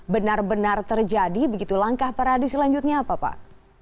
benar benar terjadi begitu langkah peradi selanjutnya apa pak